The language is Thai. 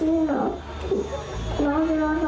ชื่อเล่นชื่อเหรอน้องเดียวกันครับ